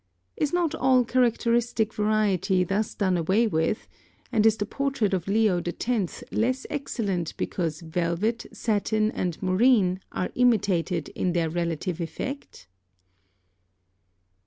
Is not all characteristic variety thus done away with, and is the portrait of Leo X. less excellent because velvet, satin, and moreen, are imitated in their relative effect?